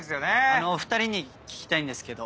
あのお２人に聞きたいんですけど。